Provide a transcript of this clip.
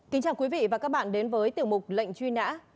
kính chào quý vị và các bạn đến với tiểu mục lệnh truy nã